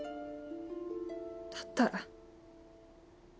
だったら。